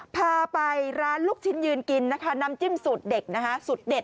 พาไปร้านลูกชิ้นยืนกินน้ำจิ้มสูตรเด็ดนะคะ